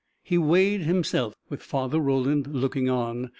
He weighed himself, with Father Roland looking on.